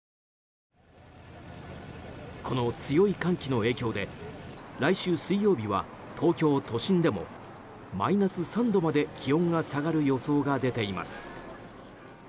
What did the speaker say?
この強い寒気の影響で来週水曜日は東京都心でもマイナス３度まで気温が下がる予想が出ています。